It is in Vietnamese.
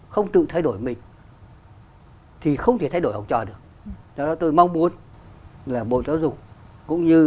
không tự thay đổi mình thì không thể thay đổi học trò được do đó tôi mong muốn là bộ giáo dục cũng như